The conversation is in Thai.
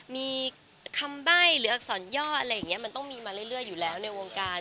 มีคำใบ้หรืออักษรย่ออะไรอย่างนี้มันต้องมีมาเรื่อยอยู่แล้วในวงการ